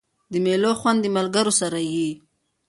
د مېلو خوند د ملګرو سره يي.